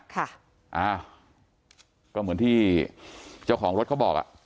ค่ะอ้าวก็เหมือนที่เจ้าของรถเขาบอกอ่ะ